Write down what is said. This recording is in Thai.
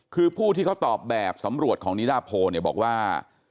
คือผู้ที่เขาตอบแบบสำรวจของนิดาโพเนี่ยบอกว่า